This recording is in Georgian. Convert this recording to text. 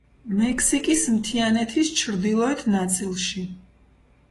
მექსიკის მთიანეთის ჩრდილოეთ ნაწილში.